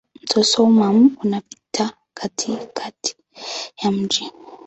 Mto Soummam unapita katikati ya mji.